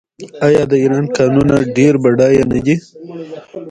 آیا د ایران کانونه ډیر بډایه نه دي؟